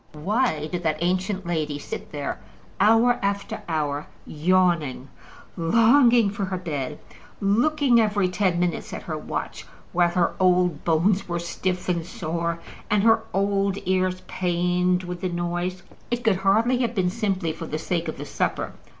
Why did that ancient lady sit there hour after hour yawning, longing for her bed, looking every ten minutes at her watch, while her old bones were stiff and sore, and her old ears pained with the noise? It could hardly have been simply for the sake of the supper.